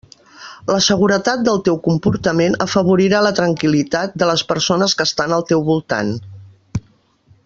La seguretat del teu comportament afavorirà la tranquil·litat de les persones que estan al teu voltant.